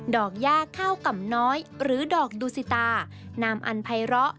ดอกหญ้าเข้ากับน้อยหรือดอกดูสิตานามอันไพระ